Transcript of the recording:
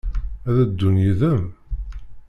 Ad d-ddun yid-m?